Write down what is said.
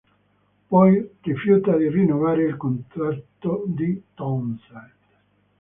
Poi, rifiuta di rinnovare il contratto di Townsend.